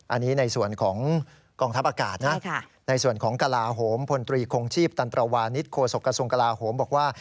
อันนี้ในส่วนของกองทัพอากาศนะในส่วนของกลาโหมพลตรีคงชีพตันตรวานิสโฆษกระทรวงกลาโหมบอกว่า